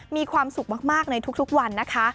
มีความสุขมากในทุกวันนะคะ